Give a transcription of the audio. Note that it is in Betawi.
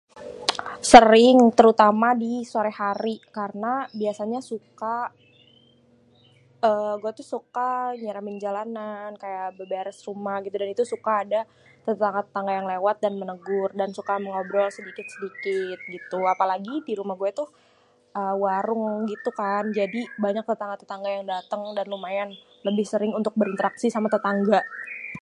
Sering terutama di sore hari, karena biasanya suka uhm gua biasanya suka nyiramin jalanan, kayak bébérés rumah gitu dan itu suka ada tetangga-tetangga yang lewat dan menegur dan suka mengobrol sedikit-sedikit gitu. Apalagi di rumah gua itu warung gitu kan, jadi banyak tetangga-tetangga yang dateng. dan lumayan lebih sering untuk berinteraksi sama tetangga.